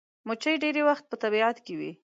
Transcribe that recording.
مچمچۍ ډېری وخت په طبیعت کې وي